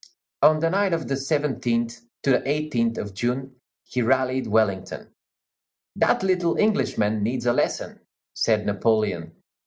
On the night of the 17th to the 18th of June he rallied Wellington. "That little Englishman needs a lesson," said Napoleon.